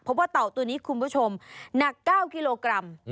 เพราะว่าเต่าตัวนี้คุณผู้ชมหนัก๙กิโลกรัม